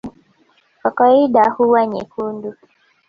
kwa kawaida huwa nyekundu